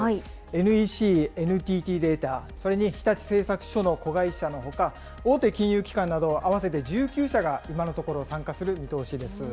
ＮＥＣ、ＮＴＴデータ、それに日立製作所の子会社のほか、大手金融機関など、合わせて１９社が今のところ参加する見通しです。